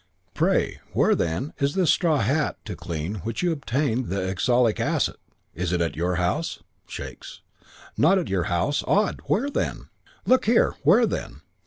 "'Pray, where, then, is this straw hat to clean which you obtained the oxalic acid? Is it at your house?' "Shakes. "'Not at your house! Odd. Where, then?' "'Look here ' "'Where then?'